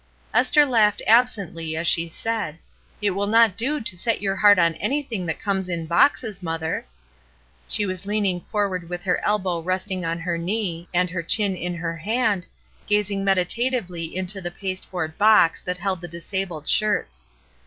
Esther laughed absently as she said, "It will not do to set your heart on anything that comes in boxes, mother." She was leaning forward with her elbow resting on her knee and her chin in her hand, gazing meditatively into the pasteboard box that held the disabled shirts.